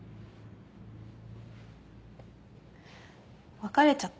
別れちゃった。